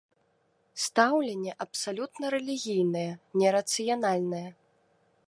Стаўленне абсалютна рэлігійнае, не рацыянальнае!